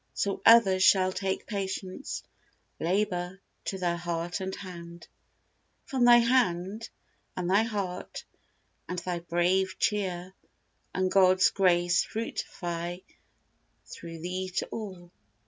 So others shall Take patience, labor, to their heart and hand, From thy hand, and thy heart, and thy brave cheer, And God's grace fructify through thee to all.